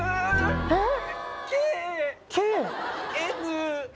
えっ？